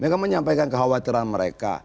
mereka menyampaikan kekhawatiran mereka